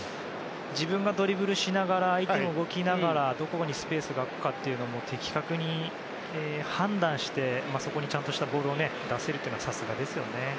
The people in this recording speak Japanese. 自分がドリブルしながら相手も動きながらどこにスペースが空くかを的確に判断してそこにちゃんとしたボールを出せるのは、さすがですよね。